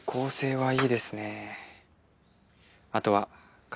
はい。